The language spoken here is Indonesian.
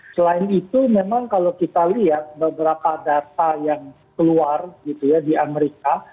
selain itu memang kalau kita lihat beberapa data yang keluar gitu ya di amerika